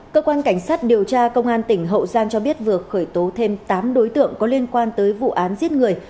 cơ quan cảnh sát điều tra công an tỉnh hậu giang cho biết vừa khởi tố thêm tám đối tượng có liên quan tới vụ án giết người